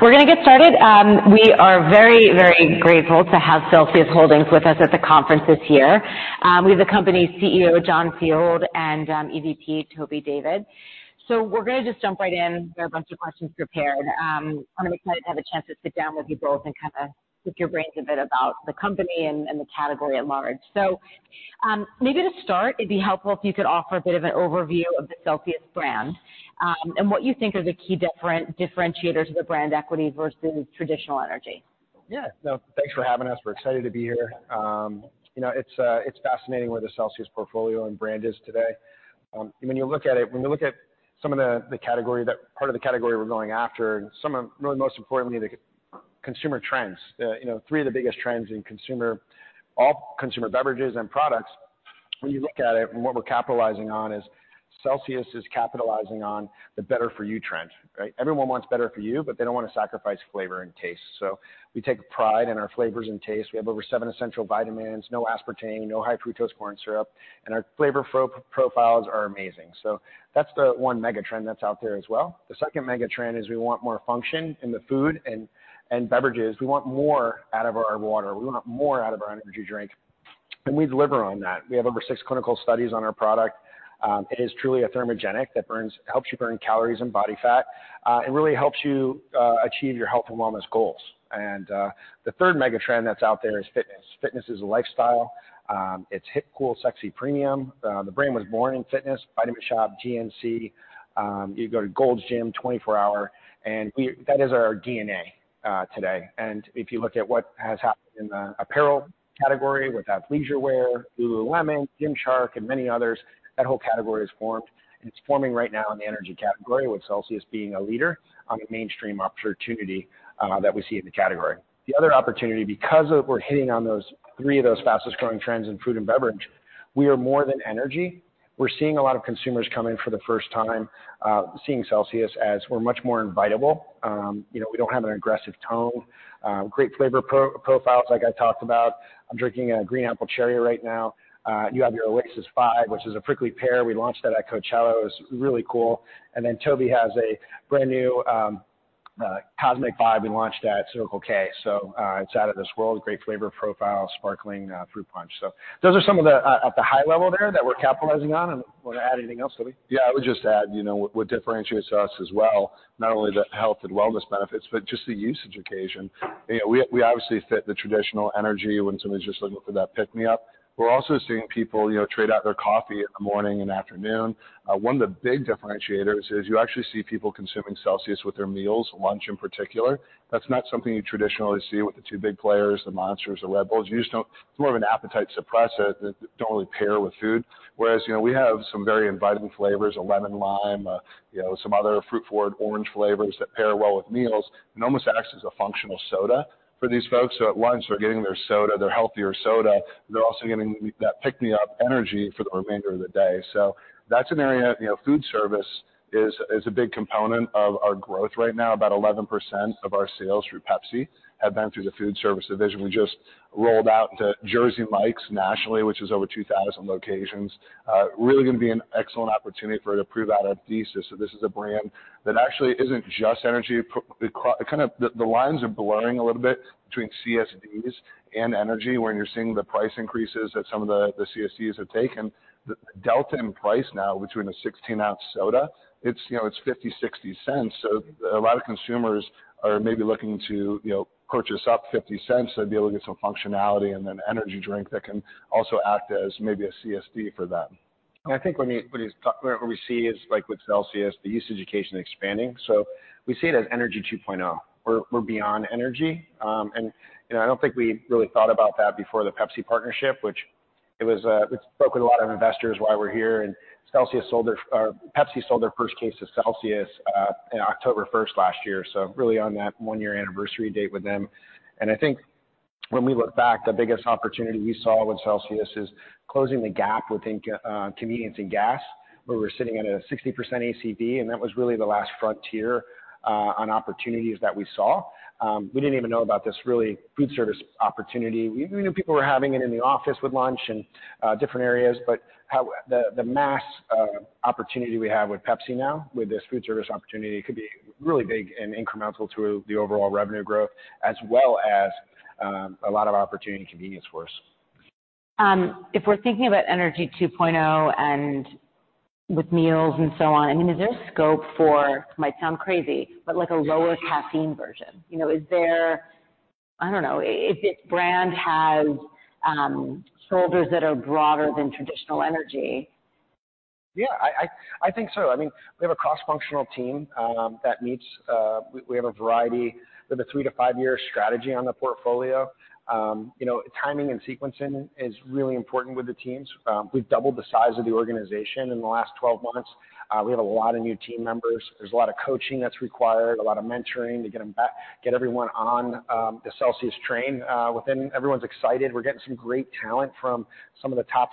We're gonna get started. We are very, very grateful to have Celsius Holdings with us at the conference this year. We have the company's CEO, John Fieldly, and EVP, Toby David. We're gonna just jump right in. There are a bunch of questions prepared. I'm excited to have a chance to sit down with you both and kinda pick your brains a bit about the company and, and the category at large. Maybe to start, it'd be helpful if you could offer a bit of an overview of the Celsius brand, and what you think are the key differentiators of the brand equity versus traditional energy. Yeah. No, thanks for having us. We're excited to be here. You know, it's fascinating where the Celsius portfolio and brand is today. When you look at it, when you look at some of the category, that part of the category we're going after, and some of really most importantly, the consumer trends. You know, three of the biggest trends in consumer, all consumer beverages and products, when you look at it, and what we're capitalizing on, is Celsius is capitalizing on the better for you trend, right? Everyone wants better for you, but they don't wanna sacrifice flavor and taste. So we take pride in our flavors and taste. We have over seven essential vitamins, no aspartame, no high fructose corn syrup, and our flavor profiles are amazing. So that's the one mega trend that's out there as well. The second mega trend is we want more function in the food and beverages. We want more out of our water. We want more out of our energy drink, and we deliver on that. We have over six clinical studies on our product. It is truly a thermogenic that helps you burn calories and body fat. It really helps you achieve your health and wellness goals. And, the third mega trend that's out there is fitness. Fitness is a lifestyle. It's hip, cool, sexy, premium. The brand was born in fitness, Vitamin Shoppe, GNC. You go to Gold's Gym, 24 Hour Fitness, and that is our DNA today. If you look at what has happened in the apparel category with athleisure wear, Lululemon, Gymshark, and many others, that whole category is formed, and it's forming right now in the energy category, with Celsius being a leader on the mainstream opportunity that we see in the category. The other opportunity, because of we're hitting on those three of those fastest growing trends in food and beverage, we are more than energy. We're seeing a lot of consumers come in for the first time, seeing Celsius, as we're much more inviteable. You know, we don't have an aggressive tone, great flavor profiles like I talked about. I'm drinking a Green Apple Cherry right now. You have your Oasis Vibe, which is a prickly pear. We launched that at Coachella. It was really cool. Then Toby has a brand new Cosmic Vibe we launched at Circle K. So, it's out of this world, great flavor profile, Sparkling Fruit Punch. So those are some of the at the high level there that we're capitalizing on. And wanna add anything else, Toby? Yeah, I would just add, you know, what differentiates us as well, not only the health and wellness benefits, but just the usage occasion. You know, we, we obviously fit the traditional energy when someone's just looking for that pick me up. We're also seeing people, you know, trade out their coffee in the morning and afternoon. One of the big differentiators is you actually see people consuming Celsius with their meals, lunch in particular. That's not something you traditionally see with the two big players, the Monsters, the Red Bulls. You just know it's more of an appetite suppressor that don't really pair with food. Whereas, you know, we have some very inviting flavors, a Lemon Lime, you know, some other fruit forward, Orange flavors that pair well with meals, and almost acts as a functional soda for these folks. So at lunch, they're getting their soda, their healthier soda. They're also getting that pick me up energy for the remainder of the day. So that's an area... You know, food service is a big component of our growth right now. About 11% of our sales through Pepsi have been through the food service division. We just rolled out to Jersey Mike's nationally, which is over 2,000 locations. Really gonna be an excellent opportunity for to prove out our thesis, that this is a brand that actually isn't just energy pr-- It kind of... The, the lines are blurring a little bit between CSDs and energy, when you're seeing the price increases that some of the, the CSDs have taken. The delta in price now between a 16-ounce soda, it's, you know, it's $0.50-$0.60. A lot of consumers are maybe looking to, you know, purchase up $0.50. They'd be able to get some functionality and an energy drink that can also act as maybe a CSD for them. I think what we see is, like with Celsius, the usage occasion expanding. So we see it as Energy 2.0, or we're beyond energy. You know, I don't think we really thought about that before the Pepsi partnership. We've spoken to a lot of investors while we're here. And Celsius sold their, or Pepsi sold their first case to Celsius in October 1st last year. So really on that one year anniversary date with them. And I think when we look back, the biggest opportunity we saw with Celsius is closing the gap within convenience and gas, where we're sitting at a 60% ACV, and that was really the last frontier on opportunities that we saw. We didn't even know about this really food service opportunity. We knew people were having it in the office with lunch and different areas, but the massive opportunity we have with Pepsi now, with this food service opportunity, could be really big and incremental to the overall revenue growth, as well as a lot of opportunity in convenience for us. If we're thinking about Energy 2.0, and with meals and so on, I mean, is there a scope for, might sound crazy, but like a lower caffeine version? You know, is there... I don't know, if this brand has shoulders that are broader than traditional energy. Yeah, I think so. I mean, we have a cross-functional team that meets. We have a variety. We have a three to five-year strategy on the portfolio. You know, timing and sequencing is really important with the teams. We've doubled the size of the organization in the last 12 months. We have a lot of new team members. There's a lot of coaching that's required, a lot of mentoring to get them back, get everyone on the Celsius train. Everyone's excited. We're getting some great talent from some of the top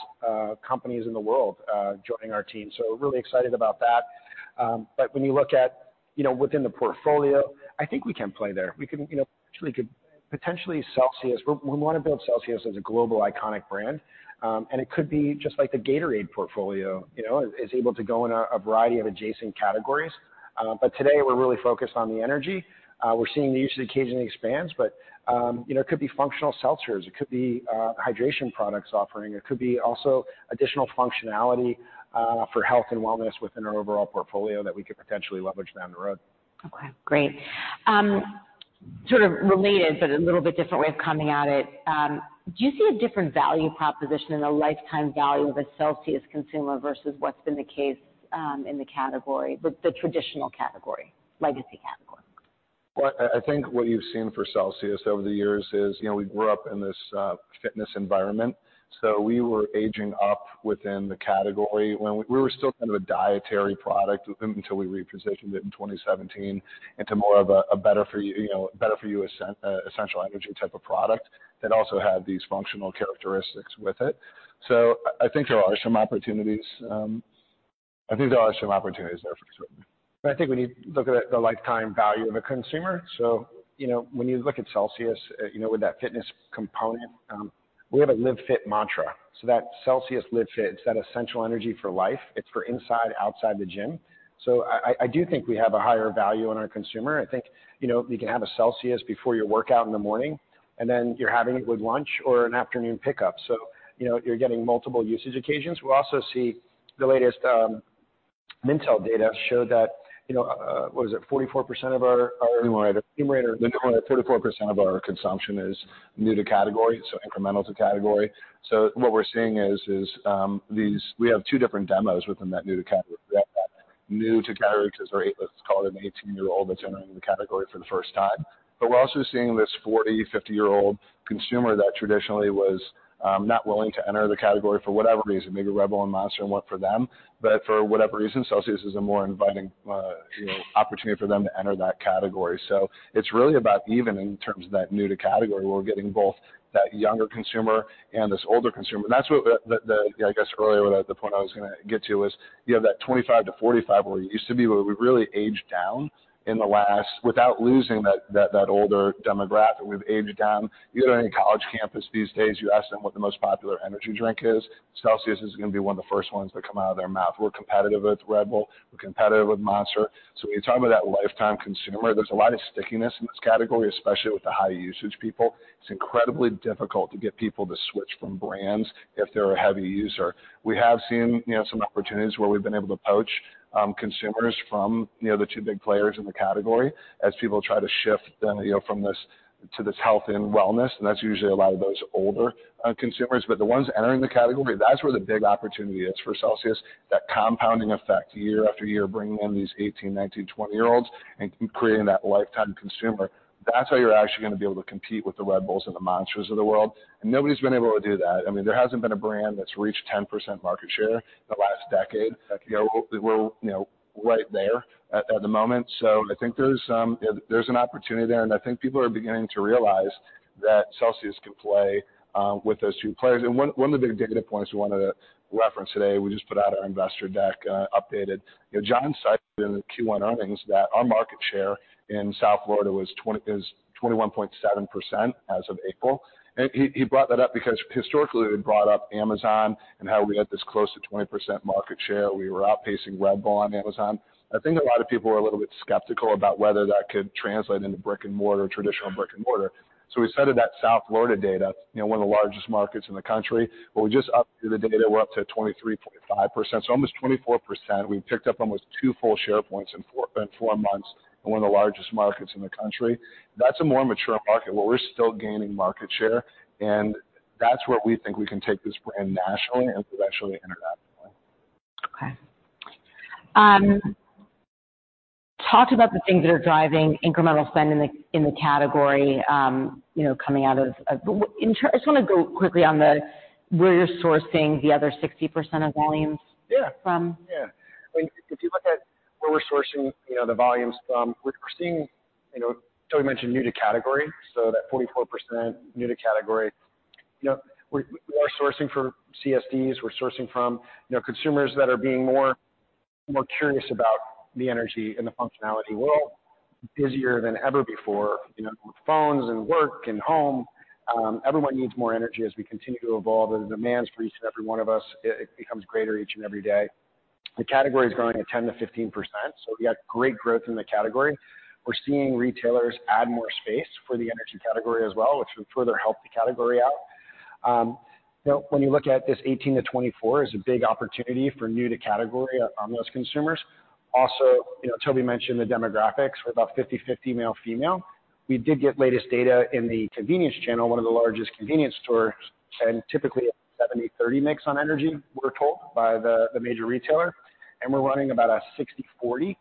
companies in the world joining our team, so we're really excited about that. But when you look at, you know, within the portfolio, I think we can play there. We can, you know, actually could- ... potentially Celsius, we want to build Celsius as a global iconic brand. It could be just like the Gatorade portfolio, you know, is able to go in a variety of adjacent categories. Today we're really focused on the energy. We're seeing the usage occasionally expands, but, you know, it could be functional seltzers, it could be hydration products offering, it could be also additional functionality for health and wellness within our overall portfolio that we could potentially leverage down the road. Okay, great. Sort of related, but a little bit different way of coming at it. Do you see a different value proposition and a lifetime value of a Celsius consumer versus what's been the case in the category, the traditional category, legacy category? Well, I think what you've seen for Celsius over the years is, you know, we grew up in this fitness environment, so we were aging up within the category. When we were still kind of a dietary product until we repositioned it in 2017 into more of a better for you, you know, better for you essential energy type of product that also had these functional characteristics with it. So I think there are some opportunities. I think there are some opportunities there for sure. But I think when you look at the lifetime value of a consumer, so, you know, when you look at Celsius, you know, with that fitness component, we have a Live Fit mantra. So that Celsius Live Fit, it's that essential energy for life. It's for inside, outside the gym. So I do think we have a higher value on our consumer. I think, you know, you can have a Celsius before your workout in the morning, and then you're having it with lunch or an afternoon pickup. So, you know, you're getting multiple usage occasions. We also see the latest Mintel data showed that, you know, what was it? 44% of our new rate, 34% of our consumption is new to category, so incremental to category. So what we're seeing is these. We have two different demos within that new to category. We have that new to category, which is very, let's call it an 18-year-old that's entering the category for the first time. But we're also seeing this 40, 50-year-old consumer that traditionally was not willing to enter the category for whatever reason, maybe Red Bull and Monster and what for them. But for whatever reason, Celsius is a more inviting, you know, opportunity for them to enter that category. So it's really about even in terms of that new to category, we're getting both that younger consumer and this older consumer. And that's what the, I guess, earlier, the point I was gonna get to is, you have that 25 to 45, where we used to be, where we've really aged down in the last, without losing that, that, that older demographic, we've aged down. You go to any college campus these days, you ask them what the most popular energy drink is, Celsius is gonna be one of the first ones that come out of their mouth. We're competitive with Red Bull, we're competitive with Monster. So when you talk about that lifetime consumer, there's a lot of stickiness in this category, especially with the high usage people. It's incredibly difficult to get people to switch from brands if they're a heavy user. We have seen, you know, some opportunities where we've been able to poach, consumers from, you know, the two big players in the category as people try to shift then, you know, from this, to this health and wellness, and that's usually a lot of those older, consumers. But the ones entering the category, that's where the big opportunity is for Celsius. That compounding effect, year after year, bringing in these 18, 19, 20-year-olds and creating that lifetime consumer. That's how you're actually gonna be able to compete with the Red Bulls and the Monsters of the world, and nobody's been able to do that. I mean, there hasn't been a brand that's reached 10% market share in the last decade. You know, we're, you know, right there at, at the moment. So I think there's an opportunity there, and I think people are beginning to realize that Celsius can play with those two players. And one of the big data points we wanted to reference today, we just put out our investor deck, updated. You know, John cited in the Q1 earnings that our market share in South Florida was 21.7% as of April. And he brought that up because historically, we brought up Amazon and how we had this close to 20% market share. We were outpacing Red Bull on Amazon. I think a lot of people were a little bit skeptical about whether that could translate into brick-and-mortar, traditional brick-and-mortar. So we cited that South Florida data, you know, one of the largest markets in the country, where we just updated the data, we're up to 23.5%, so almost 24%. We've picked up almost two full share points in four months in one of the largest markets in the country. That's a more mature market, where we're still gaining market share, and that's where we think we can take this brand nationally and potentially internationally. Okay. Talk about the things that are driving incremental spend in the, in the category, you know, coming out of- In terms... I just want to go quickly on the, where you're sourcing the other 60% of volumes- Yeah. From? Yeah. I mean, if you look at where we're sourcing, you know, the volumes from, we're seeing, you know, Toby mentioned new to category, so that 44% new to category. You know, we're sourcing from CSDs, we're sourcing from, you know, consumers that are being more curious about the energy and the functionality. We're all busier than ever before, you know, with phones and work and home. Everyone needs more energy as we continue to evolve, and the demands for each and every one of us, it becomes greater each and every day. The category is growing at 10%-15%, so we got great growth in the category. We're seeing retailers add more space for the energy category as well, which will further help the category out. You know, when you look at this 18 to 24 is a big opportunity for new to category on those consumers. Also, you know, Toby mentioned the demographics. We're about 50/50 male, female. We did get latest data in the convenience channel, one of the largest convenience stores, and typically a 70/30 mix on energy, we're told by the major retailer, and we're running about a 60/40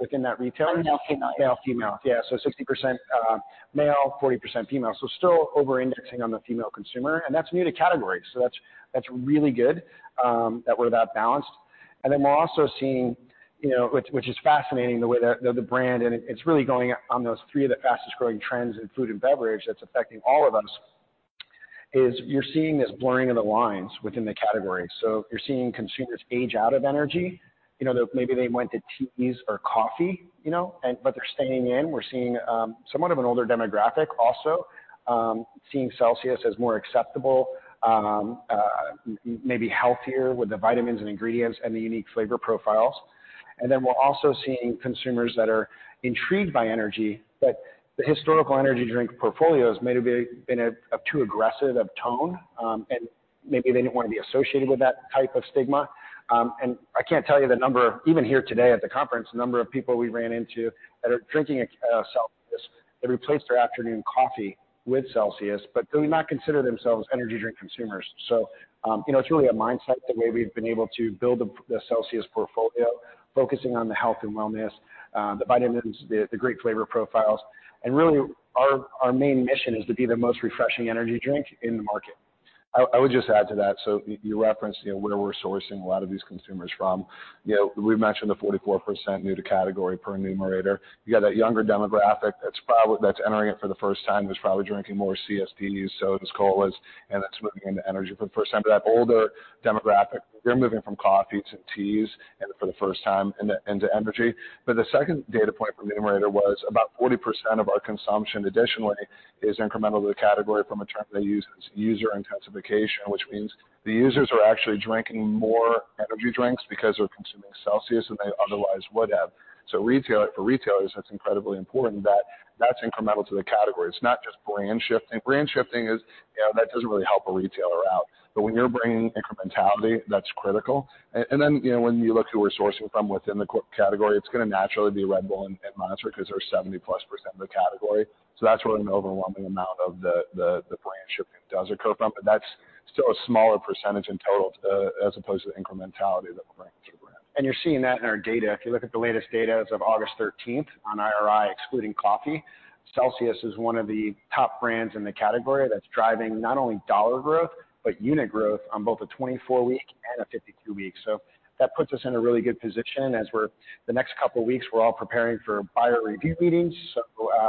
within that retailer. Male, female. Male, female. Yeah, so 60%, male, 40% female. So still over-indexing on the female consumer, and that's new to category. So that's really good that we're that balanced. And then we're also seeing, you know, which is fascinating, the way the brand, and it's really going on those three of the fastest-growing trends in food and beverage that's affecting all of us. ... is you're seeing this blurring of the lines within the category. So you're seeing consumers age out of energy, you know, that maybe they went to teas or coffee, you know, and but they're staying in. We're seeing somewhat of an older demographic also seeing Celsius as more acceptable, maybe healthier with the vitamins and ingredients and the unique flavor profiles. And then we're also seeing consumers that are intrigued by energy, but the historical energy drink portfolios may have been too aggressive of tone, and maybe they didn't want to be associated with that type of stigma. And I can't tell you the number of—even here today at the conference, the number of people we ran into that are drinking a Celsius. They replaced their afternoon coffee with Celsius, but do not consider themselves energy drink consumers. You know, it's really a mindset, the way we've been able to build the Celsius portfolio, focusing on the health and wellness, the vitamins, the great flavor profiles. Really, our main mission is to be the most refreshing energy drink in the market. I would just add to that. So you referenced, you know, where we're sourcing a lot of these consumers from. You know, we've mentioned the 44% new to category per Numerator. You got that younger demographic that's probably entering it for the first time, who's probably drinking more CSDs, sodas, colas, and that's moving into energy for the first time. But that older demographic, they're moving from coffee to teas and for the first time into energy. But the second data point from Numerator was about 40% of our consumption additionally is incremental to the category from a term they use, it's user intensification, which means the users are actually drinking more energy drinks because they're consuming Celsius than they otherwise would have. So for retailers, that's incredibly important that that's incremental to the category. It's not just brand shifting. Brand shifting is, you know, that doesn't really help a retailer out. But when you're bringing incrementality, that's critical. And then, you know, when you look who we're sourcing from within the category, it's gonna naturally be Red Bull and Monster because they're 70%+ of the category. So that's where an overwhelming amount of the brand shifting does occur from, but that's still a smaller percentage in total, as opposed to the incrementality that we're bringing to the brand. You're seeing that in our data. If you look at the latest data as of August 13 on IRI, excluding coffee, Celsius is one of the top brands in the category that's driving not only dollar growth, but unit growth on both a 24-week and a 52-week. So that puts us in a really good position as we're the next couple of weeks, we're all preparing for buyer review meetings. So,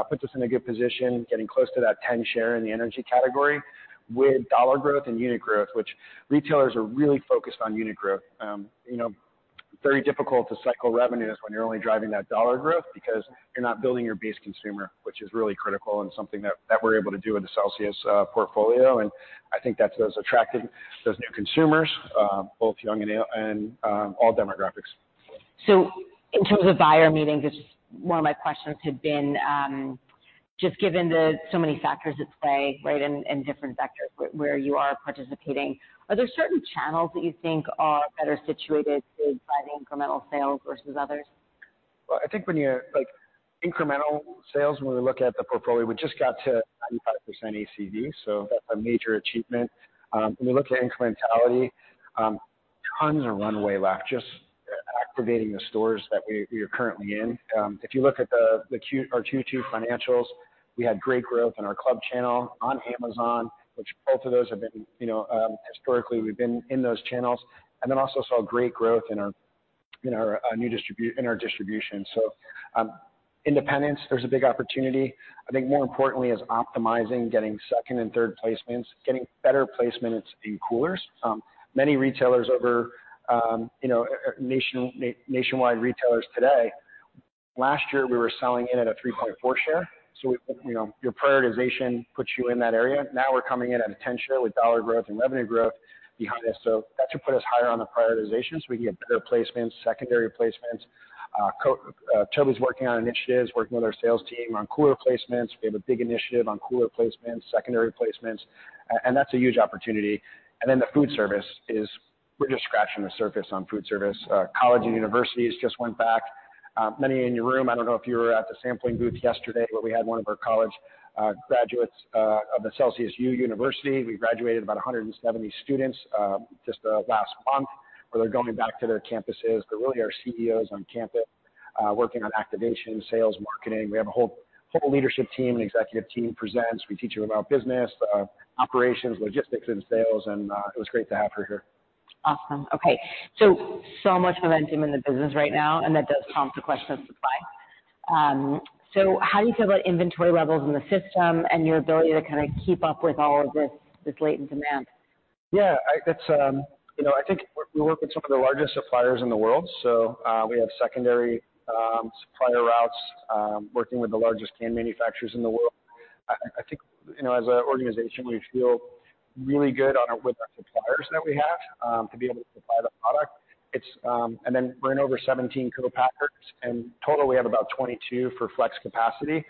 puts us in a good position, getting close to that 10 share in the energy category with dollar growth and unit growth, which retailers are really focused on unit growth. You know, very difficult to cycle revenues when you're only driving that dollar growth because you're not building your base consumer, which is really critical and something that we're able to do with the Celsius portfolio. I think that's us attracting those new consumers, both young and old, all demographics. In terms of buyer meetings, just one of my questions had been, just given the so many factors at play, right? In different vectors where you are participating, are there certain channels that you think are better situated to drive incremental sales versus others? Well, I think when you're... Like, incremental sales, when we look at the portfolio, we just got to 95% ACV, so that's a major achievement. When we look at incrementality, tons of runway left, just activating the stores that we are currently in. If you look at the Q, our Q2 financials, we had great growth in our club channel on Amazon, which both of those have been, you know, historically, we've been in those channels. And then also saw great growth in our distribution. So, independent, there's a big opportunity. I think more importantly, is optimizing, getting second and third placements, getting better placements in coolers. Many nationwide retailers today, last year, we were selling in at a 3.4% share. So, you know, your prioritization puts you in that area. Now we're coming in at a 10% share with dollar growth and revenue growth behind this. So that should put us higher on the prioritization so we can get better placements, secondary placements. Toby's working on initiatives, working with our sales team on cooler placements. We have a big initiative on cooler placements, secondary placements, and that's a huge opportunity. And then the food service is... We're just scratching the surface on food service. College and universities just went back. Many in your room, I don't know if you were at the sampling booth yesterday, but we had one of our college graduates of the Celsius U University. We graduated about 170 students just last month, where they're going back to their campuses. They're really our CEOs on campus, working on activation, sales, marketing. We have a whole, whole leadership team and executive team presents. We teach them about business, operations, logistics, and sales, and it was great to have her here. Awesome. Okay, so, so much momentum in the business right now, and that does come to question of supply. So, how do you feel about inventory levels in the system and your ability to keep up with all of this, this latent demand? Yeah, I, that's, you know, I think we work with some of the largest suppliers in the world, so, we have secondary, supplier routes, working with the largest can manufacturers in the world. I, I think, you know, as an organization, we feel really good on our-- with our suppliers that we have, to be able to supply the product. It's... And then we're in over 17 co-packers, and total, we have about 22 for flex capacity.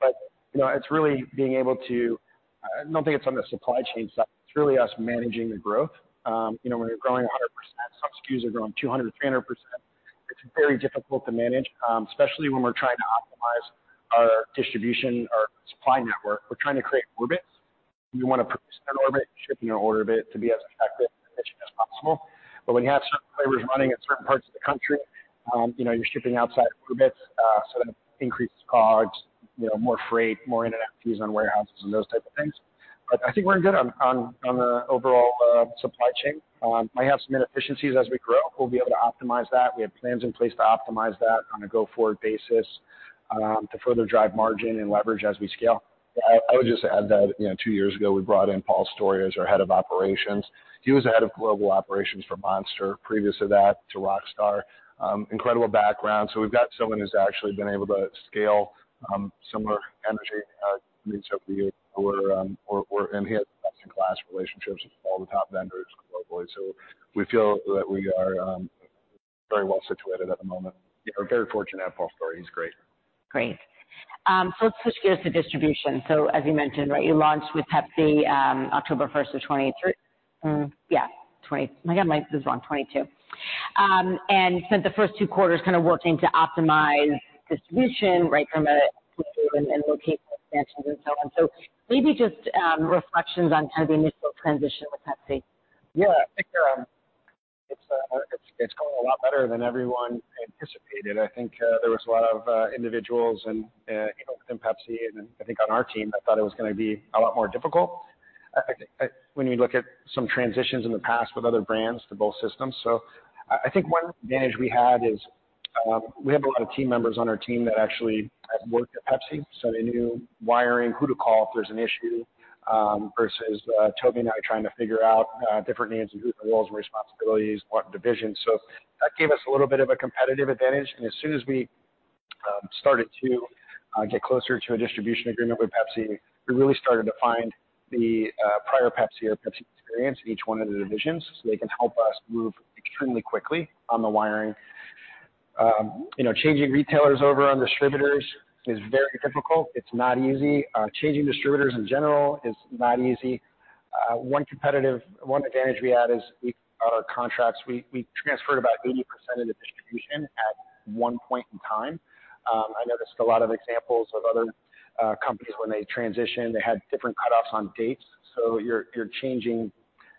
But, you know, it's really being able to-- I don't think it's on the supply chain side. It's really us managing the growth. You know, when you're growing 100%, some SKUs are growing 200%-300%, it's very difficult to manage, especially when we're trying to optimize our distribution, our supply network. We're trying to create orbits. We want to produce an orbit, shipping an orbit to be as effective and efficient as possible. But when you have certain players running in certain parts of the country, you know, you're shipping outside orbits, so that increases costs, you know, more freight, more in-transit fees on warehouses, and those type of things. But I think we're good on the overall supply chain. Might have some inefficiencies as we grow. We'll be able to optimize that. We have plans in place to optimize that on a go-forward basis. To further drive margin and leverage as we scale. Yeah, I would just add that, you know, two years ago, we brought in Paul Storey as our Head of Operations. He was the Head of Global Operations for Monster, previous to that, to Rockstar. Incredible background. So we've got someone who's actually been able to scale similar energy drinks over the years, and he has best-in-class relationships with all the top vendors globally. So we feel that we are very well situated at the moment. We are very fortunate to have Paul Storey. He's great. Great. So let's switch gears to distribution. So as you mentioned, right, you launched with Pepsi, October first of 2022. And spent the first two quarters kind of working to optimize distribution, right? From ACV and location expansion and so on. So maybe just reflections on kind of the initial transition with Pepsi. Yeah, I think it's going a lot better than everyone anticipated. I think there was a lot of individuals and, you know, within Pepsi and I think on our team, that thought it was gonna be a lot more difficult. When you look at some transitions in the past with other brands to both systems. So I think one advantage we had is we have a lot of team members on our team that actually have worked at Pepsi, so they knew wiring, who to call if there's an issue, versus Toby and I trying to figure out different names and who the roles and responsibilities, what division. So that gave us a little bit of a competitive advantage, and as soon as we started to get closer to a distribution agreement with Pepsi, we really started to find the prior Pepsi or Pepsi experience, each one of the divisions, so they can help us move extremely quickly on the wiring. You know, changing retailers over on distributors is very difficult. It's not easy. Changing distributors in general is not easy. One competitive—one advantage we had is we, our contracts, we, we transferred about 80% of the distribution at one point in time. I noticed a lot of examples of other companies when they transitioned, they had different cutoffs on dates. So you're changing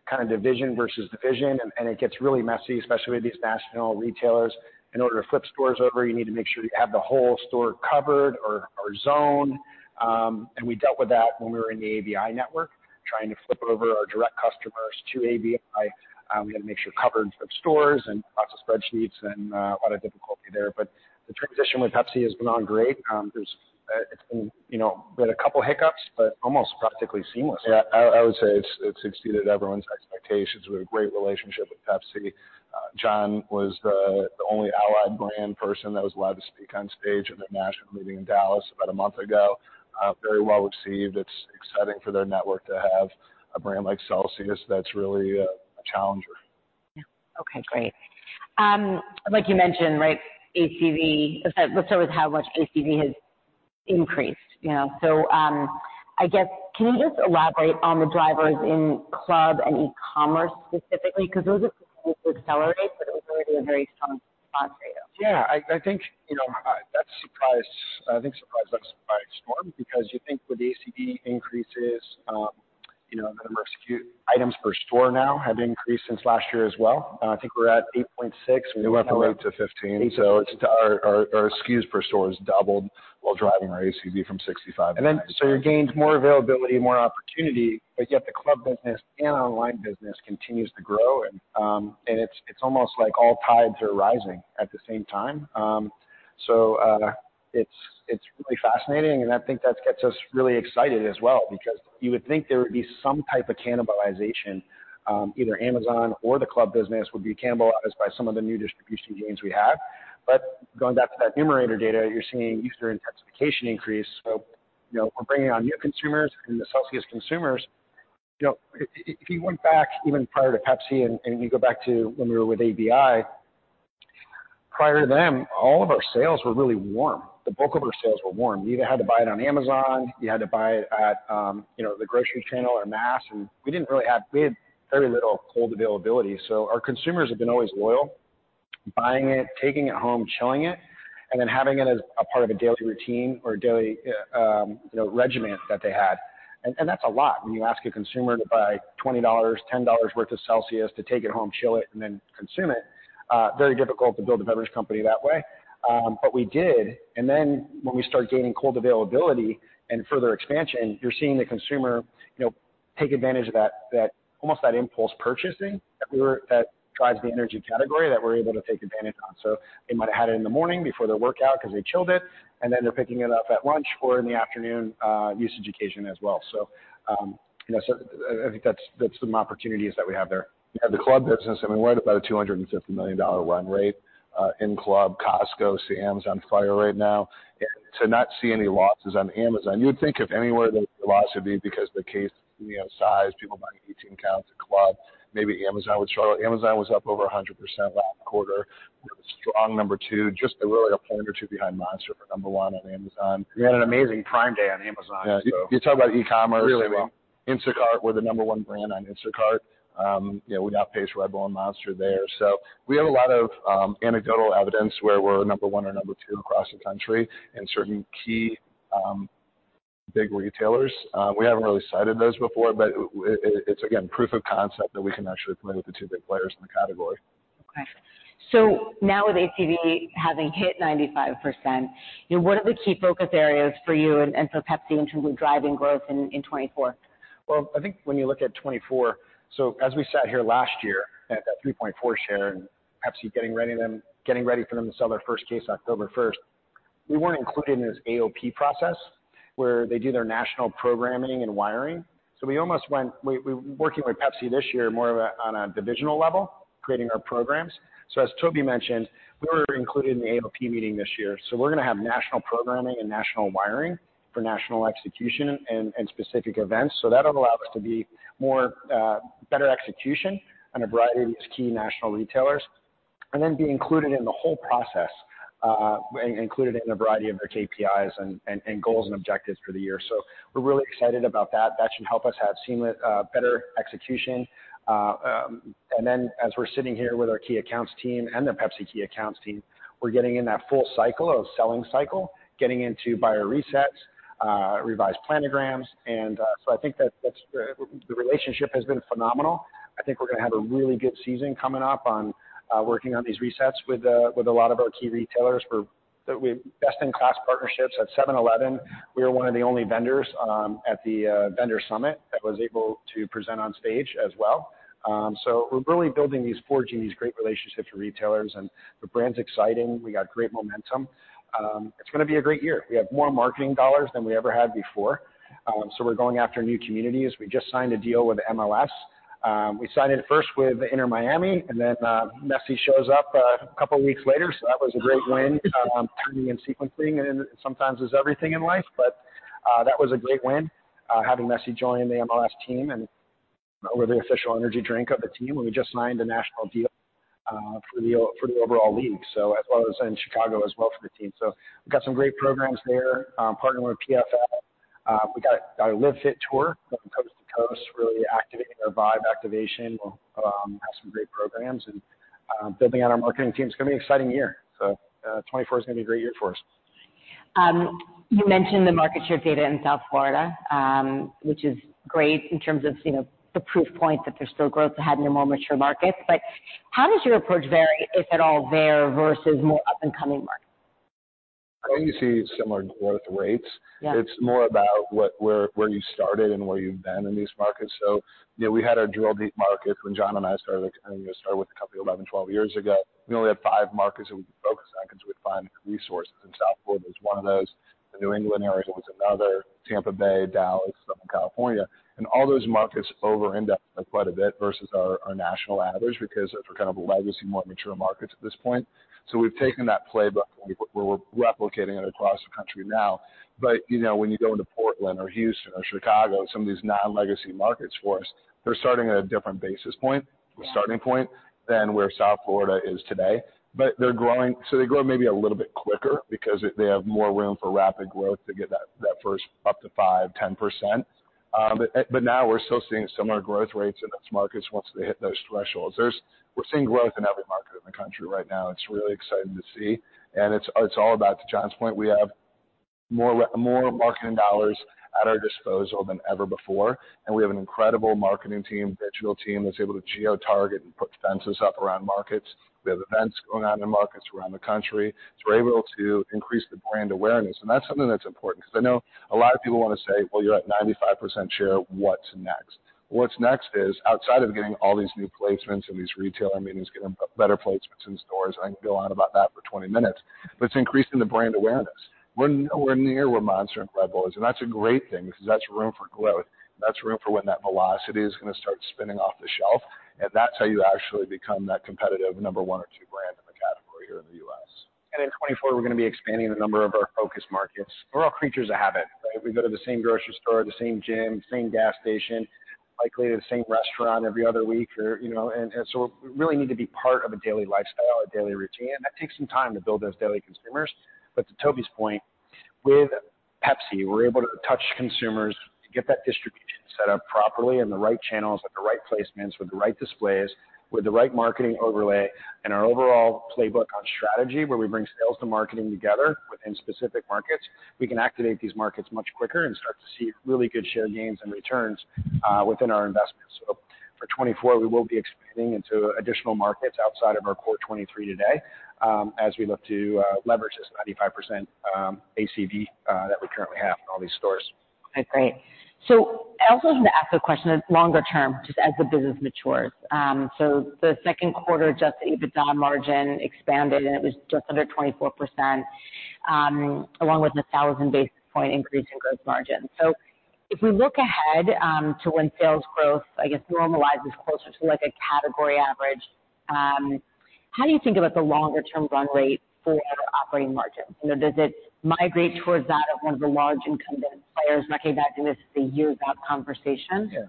kind of division versus division, and it gets really messy, especially with these national retailers. In order to flip stores over, you need to make sure you have the whole store covered or zoned. And we dealt with that when we were in the ABI network, trying to flip over our direct customers to ABI. We had to make sure coverage of stores and lots of spreadsheets and a lot of difficulty there. But the transition with Pepsi has been so great. There's, it's been, you know, we had a couple of hiccups, but almost practically seamless. Yeah, I, I would say it's, it's exceeded everyone's expectations. We have a great relationship with Pepsi. John was the, the only Allied brand person that was allowed to speak on stage at their national meeting in Dallas about a month ago. Very well-received. It's exciting for their network to have a brand like Celsius that's really a challenger. Yeah. Okay, great. Like you mentioned, right, ACV, let's start with how much ACV has increased, you know? So, I guess, can you just elaborate on the drivers in club and e-commerce specifically, because those are accelerated, but it was already a very strong growth rate. Yeah, I think, you know, that's surprised us by storm, because you think with the ACV increases, you know, the number of SKU items per store now have increased since last year as well. I think we're at 8.6. We went from eight to 15, so it's our SKUs per store has doubled while driving our ACV from 65 to 95. So you gained more availability, more opportunity, but yet the club business and online business continues to grow, and it's almost like all tides are rising at the same time. So, it's really fascinating, and I think that gets us really excited as well, because you would think there would be some type of cannibalization, either Amazon or the club business would be cannibalized by some of the new distribution gains we have. But going back to that Numerator data, you're seeing user intensification increase. So, you know, we're bringing on new consumers, and the Celsius consumers, you know, if you went back even prior to Pepsi and you go back to when we were with ABI, prior to them, all of our sales were really warm. The bulk of our sales were warm. You either had to buy it on Amazon, you had to buy it at, you know, the grocery channel or mass, and we didn't really have—we had very little cold availability. So our consumers have been always loyal, buying it, taking it home, chilling it, and then having it as a part of a daily routine or a daily, you know, regimen that they had. And, and that's a lot when you ask a consumer to buy $20, $10 worth of Celsius to take it home, chill it, and then consume it. Very difficult to build a beverage company that way. But we did, and then when we start gaining cold availability and further expansion, you're seeing the consumer, you know, take advantage of that, that almost that impulse purchasing that drives the energy category that we're able to take advantage on. So they might have had it in the morning before their workout because they chilled it, and then they're picking it up at lunch or in the afternoon usage occasion as well. So, you know, so I think that's some opportunities that we have there. We have the club business. I mean, we're at about a $250 million run rate in club. Costco, Sam's on fire right now. And to not see any losses on Amazon, you would think of anywhere the loss would be because the case, you know, size, people buying 18 counts at club, maybe Amazon would struggle. Amazon was up over 100% last quarter. We have a strong number two, just literally a point or two behind Monster for number one on Amazon. We had an amazing Prime Day on Amazon, so- Yeah. You talk about e-commerce- Really well. Instacart, we're the number one brand on Instacart. You know, we outpace Red Bull and Monster there. So we have a lot of anecdotal evidence where we're number one or number two across the country in certain key big retailers. We haven't really cited those before, but it's, again, proof of concept that we can actually play with the two big players in the category. Okay. So now with ACV having hit 95%, what are the key focus areas for you and for Pepsi in terms of driving growth in 2024?... Well, I think when you look at 2024, so as we sat here last year at that 3.4% share, and Pepsi getting ready then, getting ready for them to sell their first case October first, we weren't included in this AOP process where they do their national programming and wiring. So we almost went. We're working with Pepsi this year, more of a, on a divisional level, creating our programs. So as Toby mentioned, we were included in the AOP meeting this year. So we're gonna have national programming and national wiring for national execution and, and specific events. So that'll allow us to be more, better execution on a variety of these key national retailers, and then be included in the whole process, included in a variety of their KPIs and, and, and goals and objectives for the year. So we're really excited about that. That should help us have seamless, better execution. And then as we're sitting here with our key accounts team and the Pepsi key accounts team, we're getting in that full cycle of selling cycle, getting into buyer resets, revised planograms. And so I think that's the relationship has been phenomenal. I think we're gonna have a really good season coming up on working on these resets with with a lot of our key retailers. We have best-in-class partnerships at 7-Eleven. We are one of the only vendors at the Vendor Summit that was able to present on stage as well. So we're really building these, forging these great relationships with retailers, and the brand's exciting. We got great momentum. It's gonna be a great year. We have more marketing dollars than we ever had before, so we're going after new communities. We just signed a deal with MLS. We signed it first with Inter Miami, and then Messi shows up a couple of weeks later. That was a great win. Timing and sequencing sometimes is everything in life, but that was a great win, having Messi join the MLS team and we're the official energy drink of the team, and we just signed a national deal for the overall league, as well as in Chicago for the team. We've got some great programs there. Partnering with PFL. We got our Live Fit Tour, going coast to coast, really activating our vibe activation. Have some great programs and building out our marketing team. It's gonna be an exciting year. So, 2024 is gonna be a great year for us. You mentioned the market share data in South Florida, which is great in terms of, you know, the proof point that there's still growth ahead in a more mature market. How does your approach vary, if at all, there versus more up-and-coming markets? I think you see similar growth rates. Yeah. It's more about what, where, where you started and where you've been in these markets. You know, we had our jewel deep markets when John and I started, kind of, started with the company 11, 12 years ago. We only had five markets that we could focus on because we'd find resources, and South Florida was one of those. The New England area was another, Tampa Bay, Dallas, Southern California, and all those markets over index quite a bit versus our, our national average, because those are kind of a legacy, more mature markets at this point. We've taken that playbook, and we're, we're replicating it across the country now. You know, when you go into Portland or Houston or Chicago, some of these non-legacy markets for us, they're starting at a different basis point, or starting point, than where South Florida is today. But they're growing, so they grow maybe a little bit quicker because they have more room for rapid growth to get that, that first up to 5%-10%. But now we're still seeing similar growth rates in those markets once they hit those thresholds. We're seeing growth in every market in the country right now. It's really exciting to see, and it's all about, to John's point, we have more marketing dollars at our disposal than ever before, and we have an incredible marketing team, digital team, that's able to geo-target and put fences up around markets. We have events going on in markets around the country, so we're able to increase the brand awareness, and that's something that's important because I know a lot of people want to say, "Well, you're at 95% share. What's next?" What's next is, outside of getting all these new placements and these retailer meetings, getting better placements in stores, I can go on about that for 20 minutes, but it's increasing the brand awareness. We're, we're near where Monster and Red Bull is, and that's a great thing because that's room for growth. That's room for when that velocity is gonna start spinning off the shelf, and that's how you actually become that competitive number one or two brand in the category here in the U.S. In 2024, we're gonna be expanding the number of our focus markets. We're all creatures of habit, right? We go to the same grocery store, the same gym, same gas station, likely the same restaurant every other week, or, you know, and, and so we really need to be part of a daily lifestyle, a daily routine, and that takes some time to build those daily consumers. But to Toby's point, with Pepsi, we're able to touch consumers to get that distribution set up properly in the right channels, at the right placements, with the right displays, with the right marketing overlay, and our overall playbook on strategy, where we bring sales to marketing together within specific markets. We can activate these markets much quicker and start to see really good share gains and returns within our investment. So for 2024, we will be expanding into additional markets outside of our core 2023 today, as we look to leverage this 95% ACV that we currently have in all these stores. Okay, great. So I also wanted to ask a question, longer term, just as the business matures. So the second quarter Adjusted EBITDA margin expanded, and it was just under 24%, along with a 1,000 basis point increase in gross margin. So if we look ahead, to when sales growth, I guess, normalizes closer to, like, a category average, how do you think about the longer-term run rate for operating margins? You know, does it migrate towards that of one of the large incumbent players? Am I getting back in this, the years without conversation? Yeah.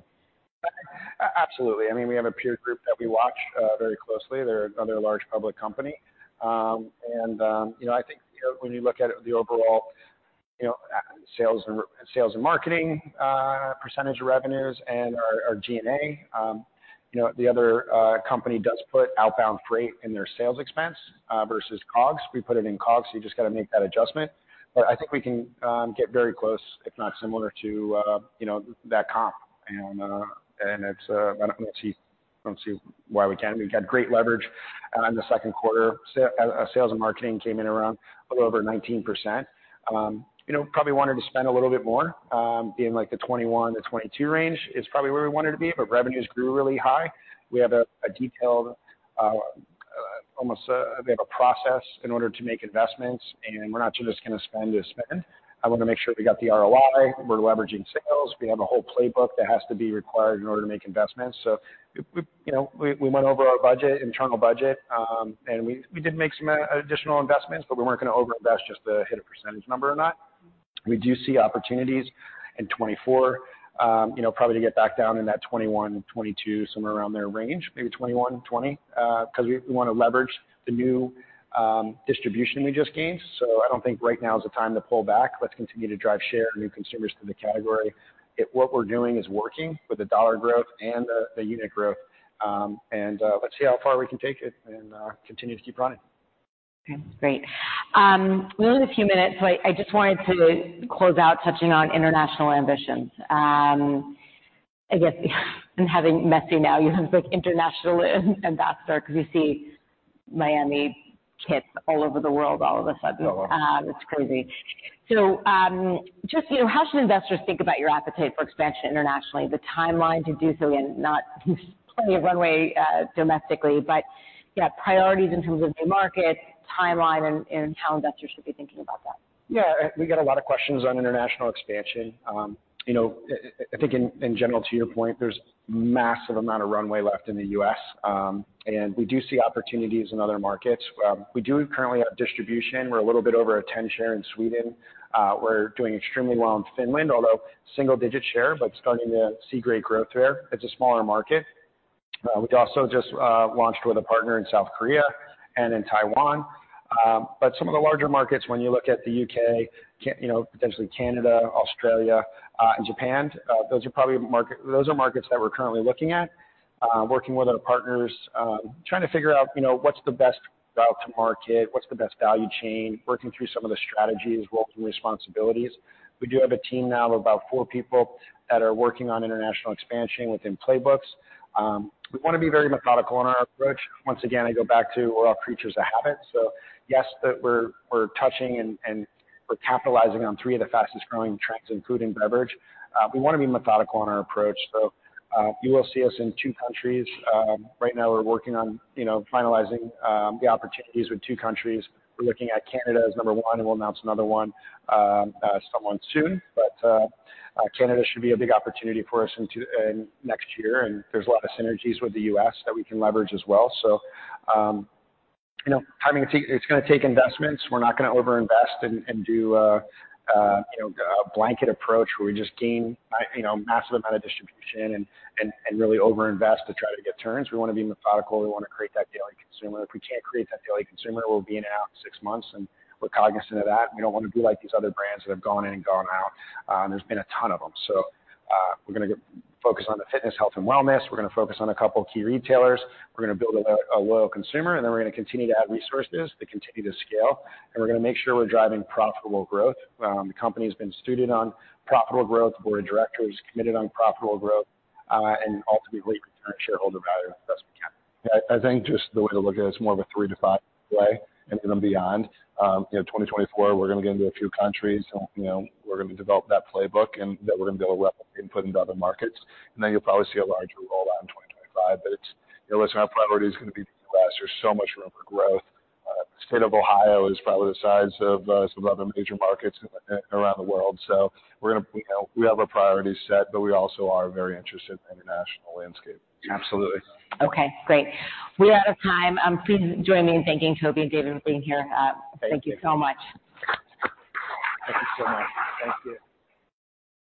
Absolutely. I mean, we have a peer group that we watch very closely. They're another large public company. And, you know, I think, you know, when you look at it, the overall, you know, sales and sales and marketing percentage of revenues and our G&A, you know, the other company does put outbound freight in their sales expense versus COGS. We put it in COGS, so you just got to make that adjustment. But I think we can get very close, if not similar to, you know, that comp, and and it's, I don't want to cheat.... I don't see why we can't. We've had great leverage on the second quarter. Sales and marketing came in around a little over 19%. You know, probably wanted to spend a little bit more, in like the 21%-22% range is probably where we wanted to be, but revenues grew really high. We have a detailed process in order to make investments, and we're not just gonna spend to spend. I wanna make sure we got the ROI. We're leveraging sales. We have a whole playbook that has to be required in order to make investments. So, you know, we went over our budget, internal budget, and we did make some additional investments, but we weren't gonna overinvest just to hit a percentage number or not. We do see opportunities in 2024, you know, probably to get back down in that 2021, 2022, somewhere around there range, maybe 2021, 2020, because we, we wanna leverage the new distribution we just gained. So I don't think right now is the time to pull back. Let's continue to drive share and new consumers to the category. If what we're doing is working with the dollar growth and the unit growth, and let's see how far we can take it and continue to keep running. Okay, great. We only have a few minutes, so I just wanted to close out touching on international ambitions. I guess, and having Messi now, you have like international ambassador, because we see Miami kits all over the world all of a sudden. Sure. It's crazy. So, just, you know, how should investors think about your appetite for expansion internationally, the timeline to do so, and not plenty of runway domestically, but yeah, priorities in terms of new markets, timeline, and how investors should be thinking about that? Yeah, we get a lot of questions on international expansion. You know, I, I think in, in general, to your point, there's a massive amount of runway left in the U.S., and we do see opportunities in other markets. We do currently have distribution. We're a little bit over a 10% share in Sweden. We're doing extremely well in Finland, although single digit share, but starting to see great growth there. It's a smaller market. We've also just launched with a partner in South Korea and in Taiwan. But some of the larger markets, when you look at the U.K., you know, potentially Canada, Australia, and Japan, those are markets that we're currently looking at, working with other partners, trying to figure out, you know, what's the best route to market, what's the best value chain, working through some of the strategies, roles, and responsibilities. We do have a team now of about four people that are working on international expansion within playbooks. We wanna be very methodical in our approach. Once again, I go back to, we're all creatures of habit. So yes, that we're, we're touching and, and we're capitalizing on three of the fastest growing trends, including beverage. We wanna be very methodical in our approach, so you will see us in two countries. Right now we're working on, you know, finalizing the opportunities with two countries. We're looking at Canada as number one, and we'll announce another one, sometime soon. But Canada should be a big opportunity for us in next year, and there's a lot of synergies with the U.S. that we can leverage as well. So, you know, it's gonna take investments. We're not gonna overinvest and really overinvest to try to get turns. We wanna be methodical. We wanna create that daily consumer. If we can't create that daily consumer, we'll be in and out in six months, and we're cognizant of that. We don't wanna be like these other brands that have gone in and gone out. And there's been a ton of them. So, we're gonna get focused on the fitness, health, and wellness. We're gonna focus on a couple of key retailers. We're gonna build a loyal consumer, and then we're gonna continue to add resources to continue to scale, and we're gonna make sure we're driving profitable growth. The company's been stewed on profitable growth, board of directors committed on profitable growth, and ultimately return shareholder value as best we can. I think just the way to look at it is more of a three to five way and then beyond. You know, 2024, we're gonna get into a few countries, and, you know, we're gonna develop that playbook and that we're gonna be able to input into other markets. And then you'll probably see a larger rollout in 2025. But it's, you know, listen, our priority is gonna be U.S. There's so much room for growth. The state of Ohio is probably the size of some other major markets around the world. So we're gonna, you know, we have our priorities set, but we also are very interested in the international landscape. Absolutely. Okay, great. We're out of time. Please join me in thanking Toby David for being here. Thank you so much. Thank you so much. Thank you.